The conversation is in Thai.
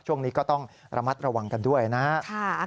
ช่วงนี้ก็ต้องระมัดระวังกันด้วยนะครับ